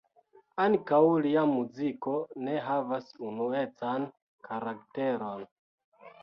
Ankaŭ lia muziko ne havas unuecan karakteron.